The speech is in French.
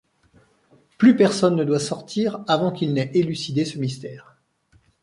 Plus personne ne doit sortir avant qu'il n'ait élucidé ce mystère.